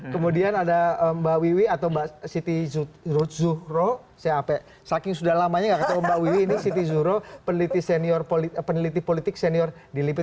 kemudian ada mbak wiwi atau mbak siti rut zuhro saking sudah lamanya nggak ketemu mbak wiwi ini siti zuro peneliti politik senior di lipi